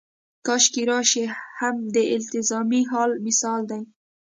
کاشکې راشي هم د التزامي حال مثال دی.